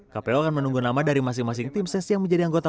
kpu akan menunggu nama dari masing masing tim ses yang menjadi anggota